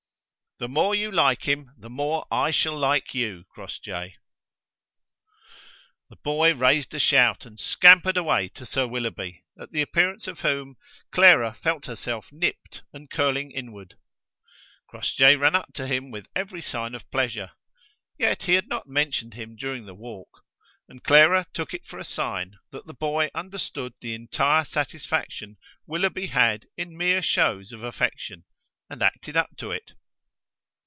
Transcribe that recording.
"The more you like him the more I shall like you, Crossjay." The boy raised a shout and scampered away to Sir Willoughby, at the appearance of whom Clara felt herself nipped and curling inward. Crossjay ran up to him with every sign of pleasure. Yet he had not mentioned him during the walk; and Clara took it for a sign that the boy understood the entire satisfaction Willoughby had in mere shows of affection, and acted up to it.